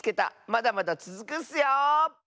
まだまだつづくッスよ！